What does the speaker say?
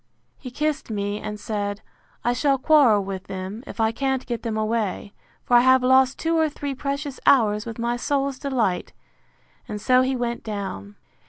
—He kissed me, and said, I shall quarrel with them, if I can't get them away; for I have lost two or three precious hours with my soul's delight: And so he went down.